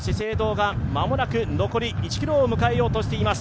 がまもなく残り１ｋｍを迎えようとしています。